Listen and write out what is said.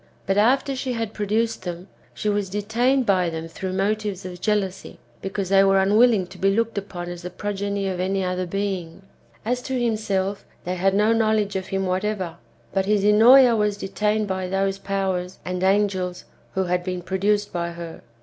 But after she liad produced them, she was detained by them through motives of jealousy, because they were unwilling to be looked upon as the progeny of any other being. As to himself, they had no knowledge of him whatever ; but his Ennoea was detained by those powers and angels who had been produced by her.